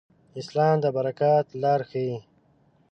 اسلام د برکت لار ښيي.